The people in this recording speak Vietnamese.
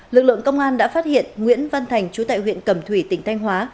lực lượng công an đã phát hiện nguyễn văn thành chú tại huyện cẩm thủy tỉnh thanh hóa